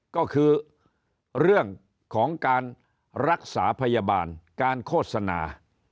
ก็คือเรื่องของการรักษาพยาบาลการโฆษณา